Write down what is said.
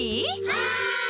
はい！